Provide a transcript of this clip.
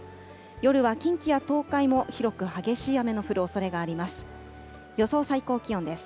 夜は近畿や東海も広く激しい雨の降るおそれがあります。